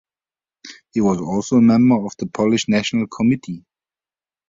He was also a member of the Polish National Committee.